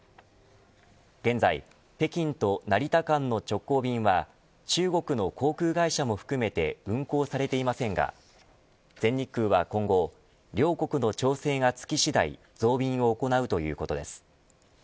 現在、北京と成田間の直行便は中国の航空会社も含めて運航されていませんが全日空は今後両国の調整がつきしだい増便を行うということです。